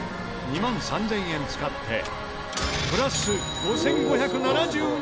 ２万３０００円使ってプラス５５７２円。